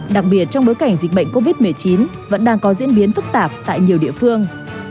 đặc biệt trong bối cảnh dịch bệnh covid một mươi chín vẫn đang có diễn biến phức tạp tại nhiều địa phương